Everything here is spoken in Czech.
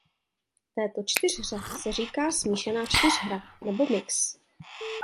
Této čtyřhře se říká "smíšená čtyřhra" nebo „mix“.